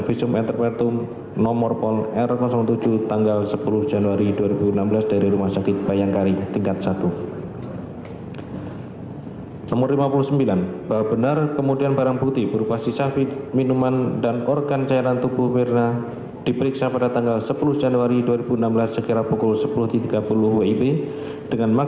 pemeriksaan seorang perempuan